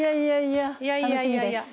いやいやいやいや。